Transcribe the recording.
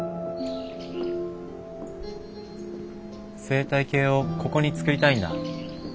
生態系をここに作りたいんだ。